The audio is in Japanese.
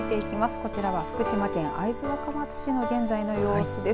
こちらは福島県会津若松市の現在の様子です。